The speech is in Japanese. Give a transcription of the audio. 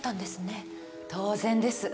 当然です。